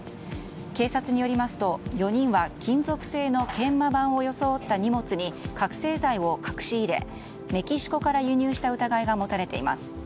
警察によりますと４人は金属製の研磨盤を装った荷物に覚醒剤を隠しいれメキシコから輸入した疑いが持たれています。